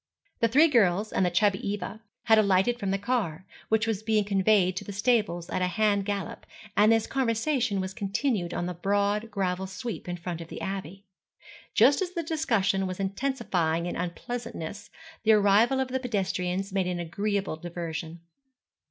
The three girls, and the chubby Eva, had alighted from the car, which was being conveyed to the stables at a hand gallop, and this conversation was continued on the broad gravel sweep in front of the Abbey. Just as the discussion was intensifying in unpleasantness, the arrival of the pedestrians made an agreeable diversion.